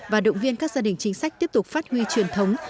và động viên các gia đình chính sách tiếp tục phát huy truyền thống